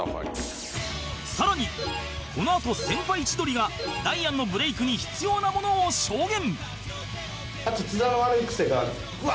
さらにこのあと先輩千鳥がダイアンのブレイクに必要なものを証言！